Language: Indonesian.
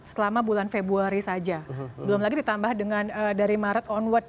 selama bulan februari saja belum lagi ditambah dengan dari maret onward